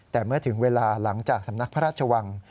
แต่เมื่อถึงเวลาหลังจากสำนักพระราชวัง